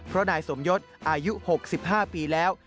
เพราะนายสมยศอายุ๖๕ปีแล้ว